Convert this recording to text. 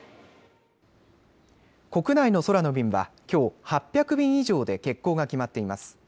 国内の空の便はきょう８００便以上で欠航が決まっています。